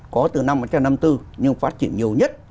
có từ năm một nghìn chín trăm năm mươi bốn nhưng phát triển nhiều nhất